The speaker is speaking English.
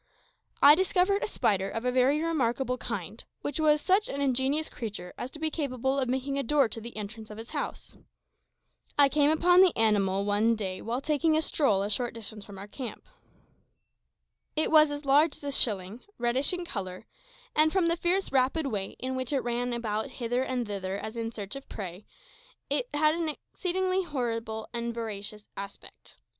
I discovered a spider of a very remarkable kind, which was such an ingenious creature as to be capable of making a door to the entrance of its house. I came upon the animal one day while taking a stroll a short distance from our camp. It was as large as a shilling, reddish in colour, and from the fierce, rapid way in which it ran about hither and thither as if in search of prey, it had an exceedingly horrible and voracious aspect.